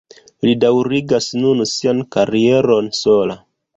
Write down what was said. Li daŭrigas nun sian karieron sola.